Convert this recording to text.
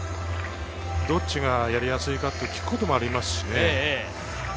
どっちがやりやすいかって聞くこともありますしね。